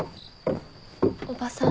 おばさん。